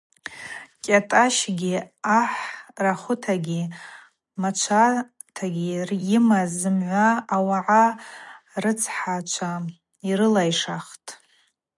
Кӏатӏащгьи ахӏ рахвытагьи мачватагьи йымаз зымгӏва ауагӏа рыцхӏачва йрылайшахтӏ.